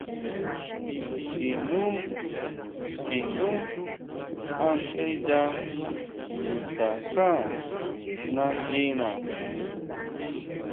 Xki nú, xki nú antjeya chutaxá nanguina.